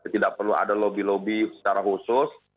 tidak perlu ada lobby lobby secara khusus